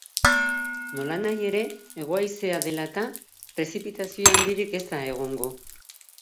Nolanahi ere, hego haizea dela eta, prezipitazio handirik ez da egongo.